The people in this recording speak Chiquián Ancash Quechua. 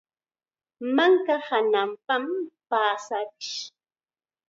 Manka hananpam paasarish.